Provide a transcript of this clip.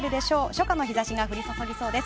初夏の日差しが降り注ぎそうです。